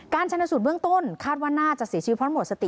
การชัดหนสุดเบื้องต้นคาดว่าหน้าจะเสียชีวิตพร้อมหกสติ